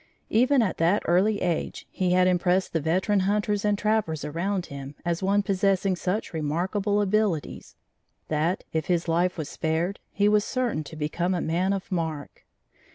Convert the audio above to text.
Even at that early age, he had impressed the veteran hunters and trappers around him as one possessing such remarkable abilities, that, if his life was spared, he was certain to become a man of mark.